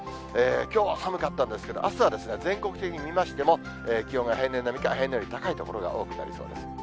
きょうは寒かったんですけれども、あすは全国的に見ましても、気温が平年並みか平年より高い所が多くなりそうです。